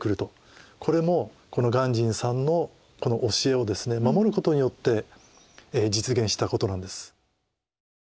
これもこの鑑真さんの教えをですね守ることによって実現したことなんです。